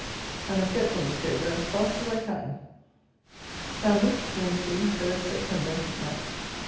I must get from this Dover, as fast as I can. _Sandwich, Wednesday, 3rd Sept. Night.